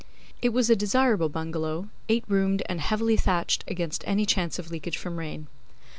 It was a desirable bungalow, eight roomed and heavily thatched against any chance of leakage from rain.